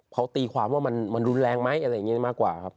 เขาตีความว่ามันรุนแรงไหมอะไรอย่างนี้มากกว่าครับ